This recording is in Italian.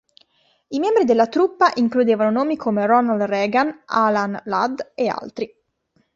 I membri della "truppa" includevano nomi come Ronald Reagan, Alan Ladd e altri.